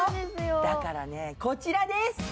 だからね、こちらです。